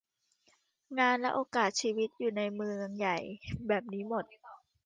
งานและโอกาสชีวิตอยู่ในเมืองใหญ่แบบนี้หมด